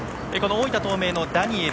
大分東明のダニエル